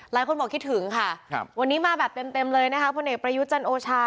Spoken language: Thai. หลายคนบอกคิดถึงค่ะวันนี้มาแบบเต็มเลยนะคะพลเอกประยุทธ์จันโอชา